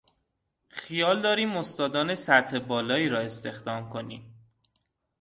خیال داریم استادان سطح بالایی را استخدام کنیم.